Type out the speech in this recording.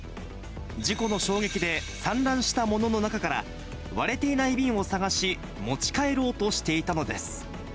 事故の衝撃で散乱したものの中から、割れていない瓶を探し、持ち帰ろうとしていたのです。